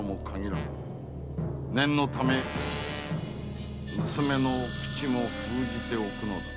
念のため娘の口も封じておくのだな。